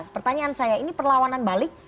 pertanyaan saya ini perlawanan balik